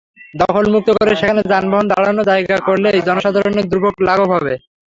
দখলমুক্ত করে সেখানে যানবাহন দাঁড়ানোর জায়গা করলেই জনসাধারণের দুর্ভোগ লাঘব হবে।